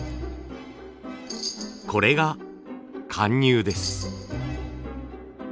これが貫入です。